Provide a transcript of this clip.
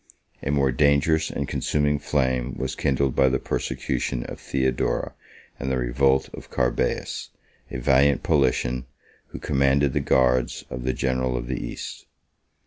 A more dangerous and consuming flame was kindled by the persecution of Theodora, and the revolt of Carbeas, a valiant Paulician, who commanded the guards of the general of the East.